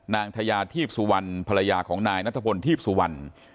นายทยาทีพสุวรรณภรรยาของนายนัทพลทีพสุวรรณ